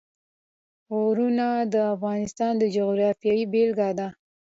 غرونه د افغانستان د جغرافیې بېلګه ده.